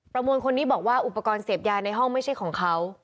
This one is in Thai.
มวลคนนี้บอกว่าอุปกรณ์เสพยาในห้องไม่ใช่ของเขา